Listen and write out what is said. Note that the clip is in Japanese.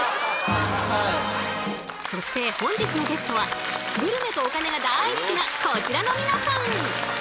そして本日のゲストはグルメとお金が大好きなこちらの皆さん。